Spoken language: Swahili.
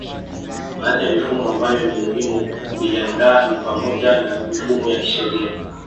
Baadhi ya mifumo ambayo ni muhimu kuiandaa ni pamoja na mifumo ya kisheria